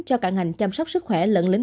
cho cả ngành chăm sóc sức khỏe